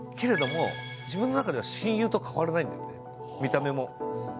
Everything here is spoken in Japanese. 自分の中では親友と変わらないのよ、見た目も。